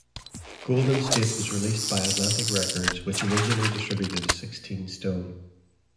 "Golden State" was released by Atlantic Records, which originally distributed "Sixteen Stone".